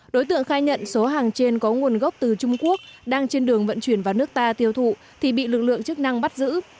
đối tượng khai nhận số hàng trên có nguồn gốc từ trung quốc đang trên đường vận chuyển vào nước ta tiêu thụ thì bị lực lượng chức năng bắt giữ